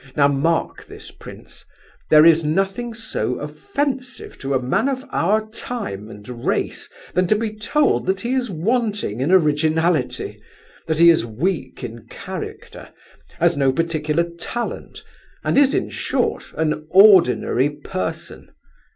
Now mark this, prince—there is nothing so offensive to a man of our time and race than to be told that he is wanting in originality, that he is weak in character, has no particular talent, and is, in short, an ordinary person.